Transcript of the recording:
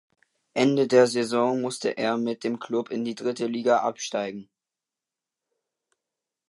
Ende der Saison musste er mit dem Klub in die dritte Liga absteigen.